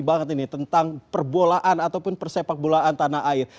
banget ini tentang perbolaan ataupun persepak bolaan tanah air